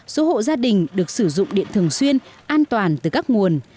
chín mươi chín sáu mươi bảy số hộ gia đình được sử dụng điện thường xuyên an toàn từ các nguồn